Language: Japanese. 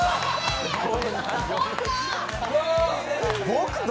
「僕と」